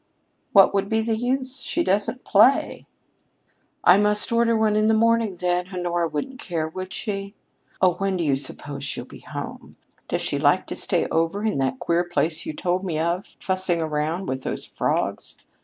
"What would be the use? She doesn't play." "I must order one in the morning, then. Honora wouldn't care, would she? Oh, when do you suppose she'll be home? Does she like to stay over in that queer place you told me of, fussing around with those frogs?"